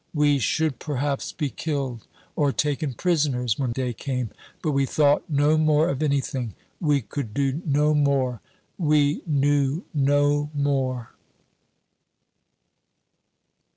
We should perhaps be killed or taken prisoners when day came. But we thought no more of anything. We could do no more; we knew no more.